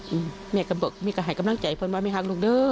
อืมแม่ก็บอกมีการหายกำลังใจพ่นมาไม่ฆ่ากับลูกเด้อ